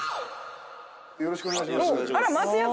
よろしくお願いします